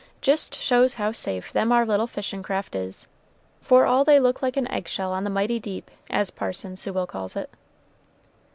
Jist shows how safe them ar little fishing craft is, for all they look like an egg shell on the mighty deep, as Parson Sewell calls it."